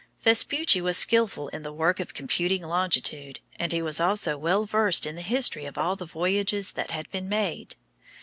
Vespucci was skillful in the work of computing longitude, and he was also well versed in the history of all the voyages that had been made.